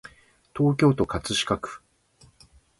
東京都葛飾区